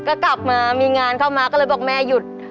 ก็กลับมามีงานเข้ามาก็เลยบอกแม่หยุด